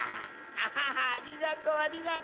アハハッありがとありがと。